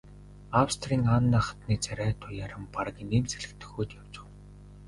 Австрийн Анна хатны царай туяаран бараг инээмсэглэх дөхөөд явчихав.